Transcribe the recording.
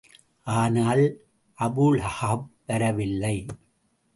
ஆனால், அபூலஹப் வரவில்லை.